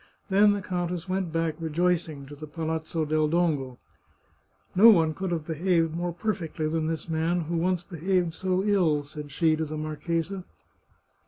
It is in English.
Then the countess went back rejoicing to the Palazzo del Dongo. " No one could have behaved more perfectly than this man, who once behaved so ill," said she to the marchesa.